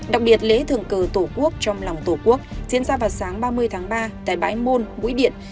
đặc biệt lễ thường cờ tổ quốc trong lòng tổ quốc diễn ra vào sáng ba mươi tháng ba tại bãi môn mũi điện